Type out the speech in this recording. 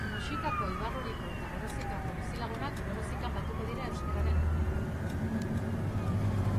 Muxikako, Ibarruriko eta Gorozikako bizilagunak Gorozikan batuko dira Euskararen Egunean.